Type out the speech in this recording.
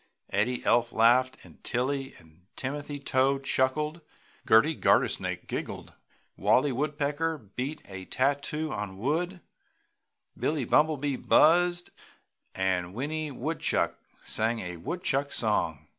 Eddie Elf laughed, Tilly and Timothy Toad chuckled, Gerty Gartersnake giggled, Wallie Woodpecker beat a tattoo on wood, Billie Bumblebee buzzed and Winnie Woodchuck sang a woodchuck song.